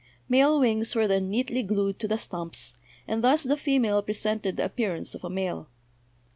Male wings were then neatly glued to the stumps, and thus the female presented the appearance of a male.